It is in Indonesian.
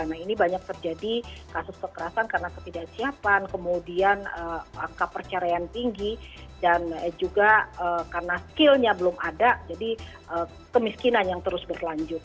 nah ini banyak terjadi kasus kekerasan karena ketidaksiapan kemudian angka perceraian tinggi dan juga karena skillnya belum ada jadi kemiskinan yang terus berlanjut